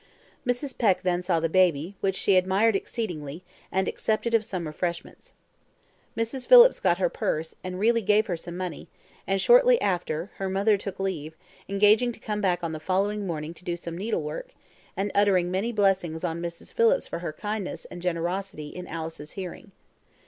Mrs. Peck then saw the baby, which she admired exceedingly, and accepted of some refreshments. Mrs. Phillips got her purse, and really gave her some money; and shortly after, her mother took leave, engaging to come back on the following morning to do some needlework, and uttering many blessings on Mrs. Phillips for her kindness and generosity in Alice's hearing.